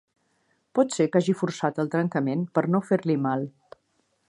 Pot ser que hagi forçat el trencament per no fer-li mal.